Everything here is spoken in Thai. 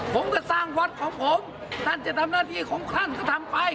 ผมก็สร้างวัดของผมท่านจะทำหน้าที่ของท่านก็ทำไป